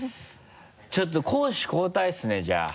ちょっと攻守交代ですねじゃあ。